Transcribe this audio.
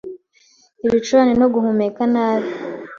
ibicurane no guhumeka nabi